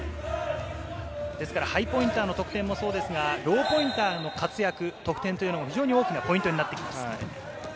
ハイポインターの得点もそうですが、ローポインターの活躍、得点というのも非常に大きなポイントになってきます。